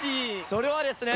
それはですね。